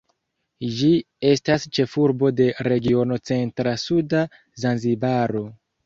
Ĝi estas ĉefurbo de regiono Centra-Suda Zanzibaro.